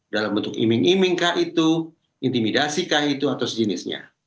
dalam bentuk iming iming kah itu intimidasi kah itu atau sejenisnya